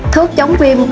sáu thuốc chống viêm